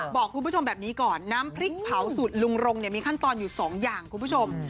บอกคุณผู้ชมแบบนี้ก่อนน้ำพริกเผาสูตรลุงรงเนี่ยมีขั้นตอนอยู่๒อย่างคุณผู้ชม